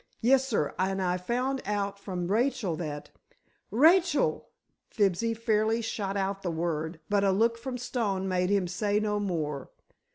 "Yes, sir. And I found out from Rachel that——" "Rachel!" Fibsy fairly shot out the word, but a look from Stone made him say no more.